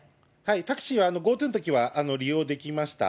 タクシーはＧｏＴｏのときは利用できました。